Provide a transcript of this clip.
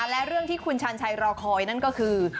และเรื่องที่คุณชาญชัยรอคอยนั่นก็คือ